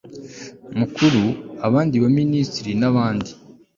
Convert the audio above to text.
mukuru. abandi ba minisitiri n'abandi